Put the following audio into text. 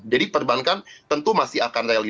jadi perbankan tentu masih akan rally